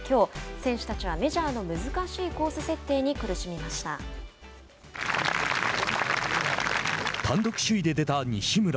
選手たちはメジャーの難しい単独首位で出た西村。